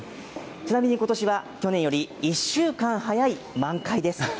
ちなみにことしは、去年より１週間早い満開です。